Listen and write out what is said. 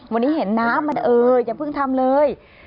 วันนี้เห็นน้ำมันเอออย่าเพิ่งทำเลย